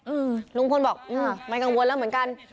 อืมลุงพลบอกอ่าไม่กังวลแล้วเหมือนกัน